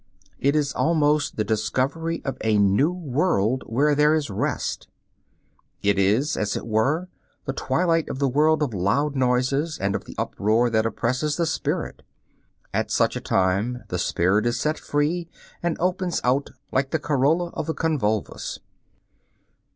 It is almost the discovery of a new world where there is rest. It is, as it were, the twilight of the world of loud noises and of the uproar that oppresses the spirit. At such a time the spirit is set free and opens out like the corolla of the convolvulus.